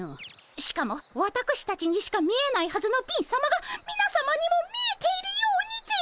しかもわたくしたちにしか見えないはずの貧さまがみなさまにも見えているようにて。